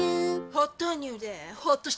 ホッ豆乳でホッとし